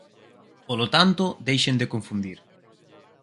Polo tanto, deixen de confundir.